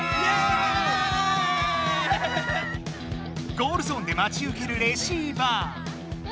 ゴールゾーンでまちうけるレシーバー。